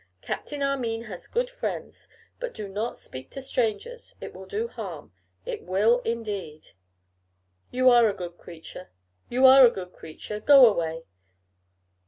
Captain Armine has good friends, but do not speak to strangers. It will do harm; it will indeed.' 'You are a good creature; you are a good creature. Go away.